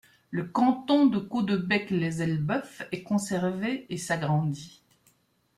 Le canton de Caudebec-lès-Elbeuf est conservé et s'agrandit.